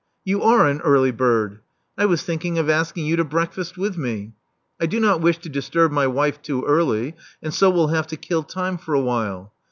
You are an early bird. I was thinking of asking you to breakfast with me. I do not wish to disturb my wife too early; and so will have to kill time for a while.